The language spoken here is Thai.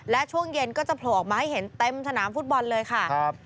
และช่วงเย็นก็จะโผล่ออกมาให้เห็นเต็มสนามฟุตบอลเลยค่ะ